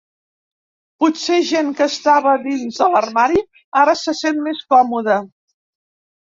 Potser gent que estava dins de l'armari ara se sent més còmode